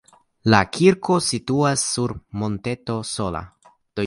La kirko situas sur monteto sola.